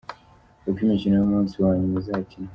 Uko imikino y’umunsi wa nyuma izakinwa:.